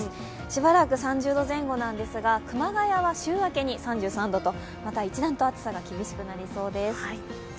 しばらく３０度前後なんですが熊谷は週明けに３３度とまた一段と暑さが厳しくなりそうです。